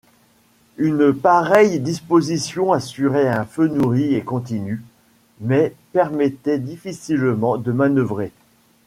Une pareille disposition assurait un feu nourri et continu, mais permettait difficilement de manœuvrer.